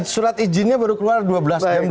surat izinnya baru keluar dua belas jam dua belas siang